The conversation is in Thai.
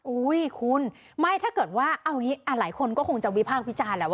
อุ้ยคุณไม่ถ้าเกิดว่าเอาอย่างนี้หลายคนก็คงจะวิพากษ์วิจารณ์แหละว่า